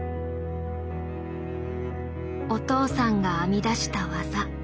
お父さんが編み出した技。